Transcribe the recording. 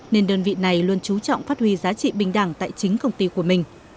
nên đơn vị này luôn trú trọng phát huy giá trị bình đẳng tại chính công ty của mình